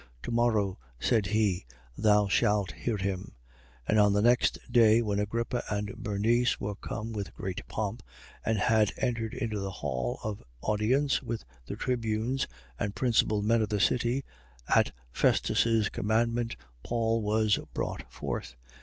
To morrow, said he, thou shalt hear him. 25:23. And on the next day, when Agrippa and Bernice were come with great pomp and had entered into the hall of audience with the tribunes and principal men of the city, at Festus' commandment, Paul was brought forth.